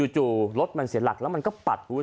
จู่รถมันเสียหลักแล้วมันก็ปัด